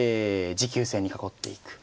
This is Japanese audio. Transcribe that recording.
持久戦に囲っていく。